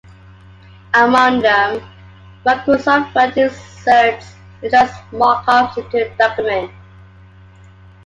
Among them, Microsoft Word inserts extraneous markups into the document.